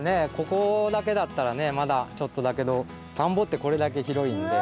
ここだけだったらねまだちょっとだけどたんぼってこれだけひろいんで。